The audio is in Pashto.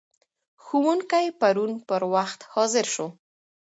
ښوونکی پرون پر وخت حاضر شو.